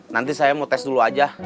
nanti saya mau tes dulu aja